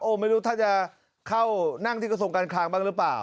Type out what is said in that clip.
ไม่รู้ท่านจะเข้านั่งที่กระทรวงการคลังบ้างหรือเปล่า